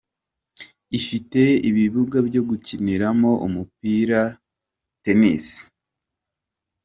ifite ibibuga byo gukiniraho umupira [Tennis